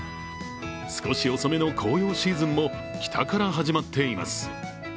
少し遅めの紅葉シーズンも北から始まっています。